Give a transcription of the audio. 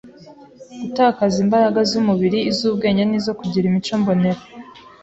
gutakaza imbaraga z’umubiri, iz’ubwenge n’izo kugira imico mbonera